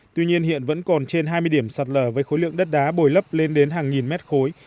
tuy nhiên hiện vẫn còn trên hai mươi điểm sạt lở với khối lượng đất đá bồi lấp lên đến hàng nghìn mét khối